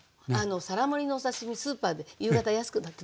皿盛りのお刺身スーパーで夕方安くなってたりしますでしょ。